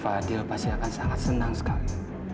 fadil pasti akan sangat senang sekali